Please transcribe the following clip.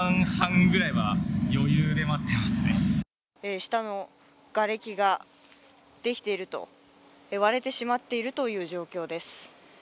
下のがれきが割れてしまっているという状況です。